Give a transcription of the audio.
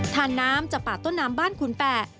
ทานน้ำจากป่าต้นน้ำบ้านขุนแปะ